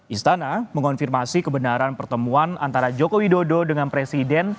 istana mengonfirmasi kebenaran pertemuan antara joko widodo dengan presiden